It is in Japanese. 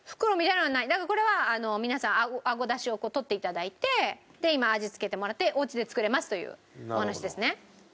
だからこれは皆さんあごだしをとって頂いて味付けてもらってお家で作れますというお話ですね。